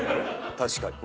確かに。